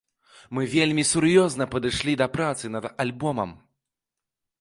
Мы вельмі сур'ёзна падышлі да працы над альбомам.